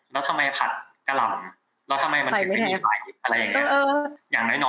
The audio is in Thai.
แล้วทำไมผัดกะหล่ำแล้วทำไมมันถึงไม่มีขายอะไรอย่างนี้